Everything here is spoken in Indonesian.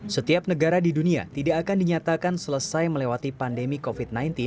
setiap negara di dunia tidak akan dinyatakan selesai melewati pandemi covid sembilan belas